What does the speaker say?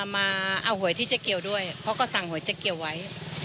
มาเอาหวยที่เจ๊เกียวด้วยเพราะก็สั่งหวยเจ๊เกียวไว้